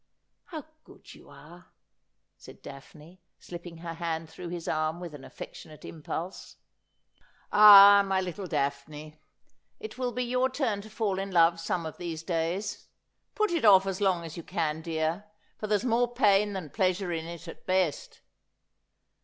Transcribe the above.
' How good you are !' said Daphne, slipping her hand through his arm with an affectionate impulse. ' Ah, my little Daphne, it will be your turn to fall in love some of these days ; put it ofE as long as you can, dear, for there's more pain than pleasure in it at best.'